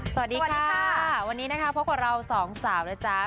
สวัสดีค่ะวันนี้นะคะพบกับเราสองสาวนะจ๊ะ